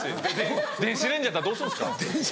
電子レンジやったらどうするんですか。